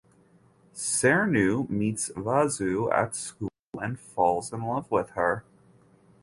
Sreenu meets Vasu at school and falls in love with her.